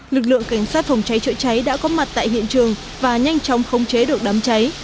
lực lượng cảnh sát phòng cháy chữa cháy đã có mặt tại hiện trường và nhanh chóng khống chế được đám cháy